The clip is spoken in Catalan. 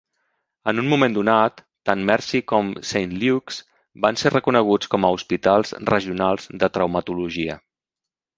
En un moment donat, tant Mercy com Saint Luke's van ser reconeguts com a hospitals regionals de traumatologia.